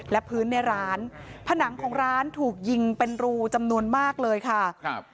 และพื้นในร้านผนังของร้านถูกยิงเป็นรูจำนวนมากเลยค่ะครับ